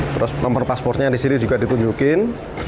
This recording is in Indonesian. terus nomor paspornya di sini juga ditunjukin